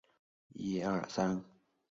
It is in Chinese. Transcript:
尚索尔地区圣博内人口变化图示